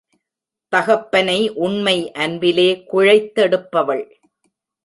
தகப்பனை உண்மை அன்பிலே குழைத்தெடுப்பவள்.